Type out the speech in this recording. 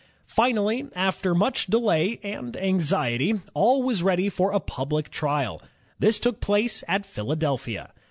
Finally, after much delay ROBERT FULTON 29 and anxiety, all was ready for a public trial. This took place at Philadelphia.